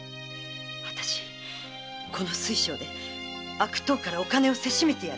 あたしこの水晶で悪党からお金をせしめてやるわ。